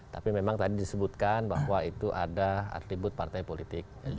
tapi memang tadi disebutkan bahwa itu ada atribut partai politik